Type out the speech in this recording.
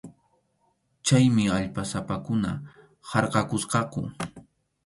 Chaymi allpasapakuna harkʼakusqaku.